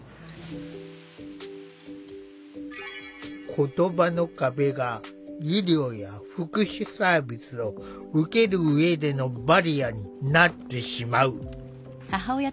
言葉の壁が医療や福祉サービスを受ける上でのバリアになってしまう。